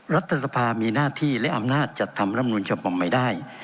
รัฐสภามีหน้าที่และอำนาจจัดทำรำนูลฉบับใหม่ได้